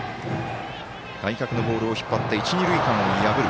外角のボールを引っ張って一、二塁間を破る。